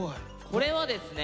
これはですね